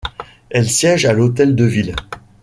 Elle siège à l'Hôtel de ville.